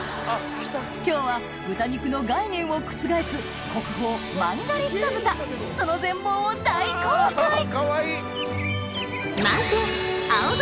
今日は豚肉の概念を覆すその全貌を大公開！